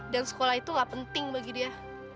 dan sekolah itu gak penting bagi dia